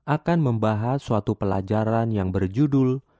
akan membahas suatu pelajaran yang berjudul